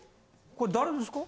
これ誰ですか？